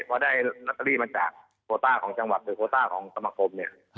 พอได้ลอตเตอรี่มาจากโคต้าของจังหวัดหรือโคต้าของสมคมเนี่ย